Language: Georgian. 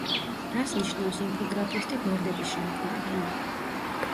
რას ნიშნავს ინფოგრაფისტი გვერდების შემქმნელი?